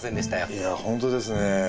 いや本当ですね。